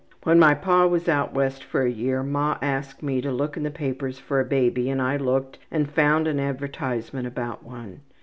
When my pa was out west for a year ma asked me to look in the papers for a baby and I looked and found an advertisement about one.